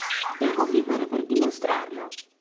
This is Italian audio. Devo vivere per dimostrarlo!